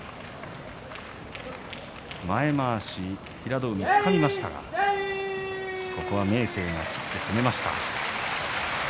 前まわし平戸海、つかみましたがここは明生が攻めました。